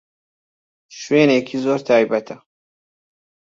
شوێنێکی زۆر تایبەتە.